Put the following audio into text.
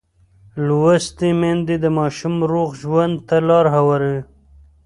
لوستې میندې د ماشوم روغ ژوند ته لار هواروي.